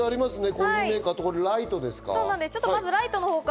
コーヒーメーカーとライトですか？